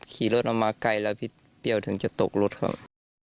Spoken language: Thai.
ขี่รถออกมาไกลแล้วพี่เปรี้ยวถึงจะตกรถครับ